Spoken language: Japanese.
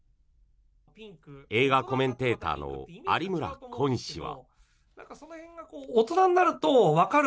映画コメンテーターの有村昆氏は。